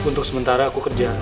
untuk sementara aku kerja